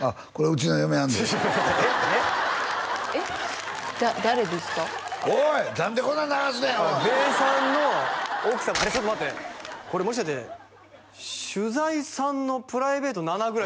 ちょっと待ってこれもしかして取材３のプライベート７ぐらいですか？